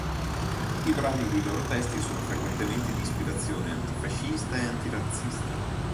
I brani dei loro testi sono frequentemente di ispirazione antifascista e antirazzista.